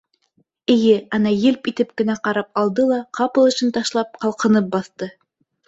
Эйе, ана «елп» итеп кенә ҡарап алды ла, ҡапыл эшен ташлап, ҡалҡынып баҫты.